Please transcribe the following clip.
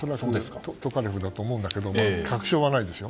トカレフだと思うんだけれども確証はないですよ。